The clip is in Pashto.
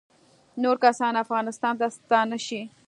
نور کسان افغانستان ته ستانه شي